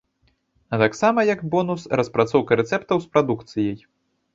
А таксама, як бонус, распрацоўка рэцэптаў з прадукцыяй.